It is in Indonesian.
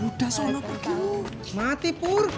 udah selama pagi pur